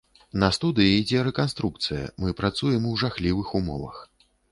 На студыі ідзе рэканструкцыя, мы працуем у жахлівых умовах.